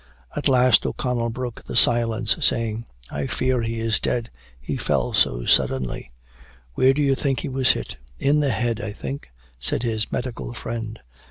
At last O'Connell broke the silence, saying, "I fear he is dead, he fell so suddenly. Where do you think he was hit?" "In the head, I think," said his medical friend.